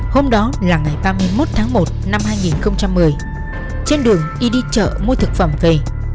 hôm đó là ngày ba mươi một tháng một năm hai nghìn một mươi trên đường y đi chợ mua thực phẩm về